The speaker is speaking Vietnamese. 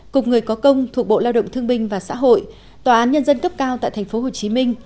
cục người có công thuộc bộ lao động thương binh và xã hội tòa án nhân dân cấp cao tại tp hcm